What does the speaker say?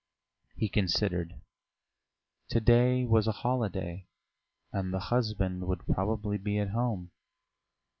He considered: to day was a holiday, and the husband would probably be at home.